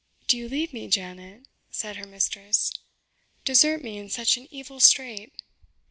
"Do you leave me, Janet?" said her mistress "desert me in such an evil strait?"